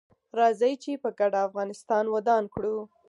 راځي چې په ګډه افغانستان ودان کړو